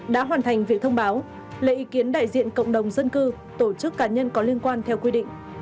đã hoàn thành việc thông báo lấy ý kiến đại diện cộng đồng dân cư tổ chức cá nhân có liên quan theo quy định